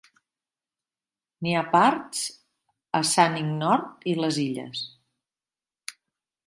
N'hi ha parts a Saanich nord i les illes.